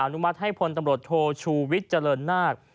นุมัติให้พลตำรวจโทชูวิทย์เจริญนาค